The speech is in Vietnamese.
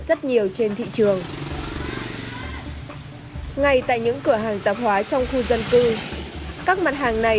rất nhiều trên thị trường ngay tại những cửa hàng tạp hóa trong khu dân cư các mặt hàng này